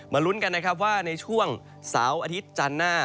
ลุ้นกันนะครับว่าในช่วงเสาร์อาทิตย์จันทร์หน้า